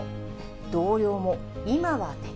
同僚も、今は敵。